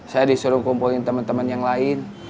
saya disuruh kumpulin temen temen yang lain